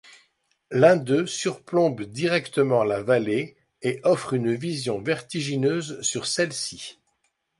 L'un d'eux surplombe directement la vallée et offre une vision vertigineuse sur celle-ci.